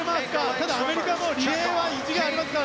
ただアメリカもリレーは意地がありますから。